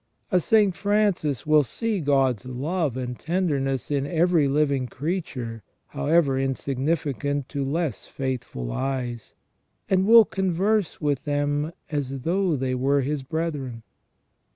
A Saint Francis will see God's love and tenderness in every living creature, however insignificant to less faithful eyes, and will converse with them as though they were his brethren.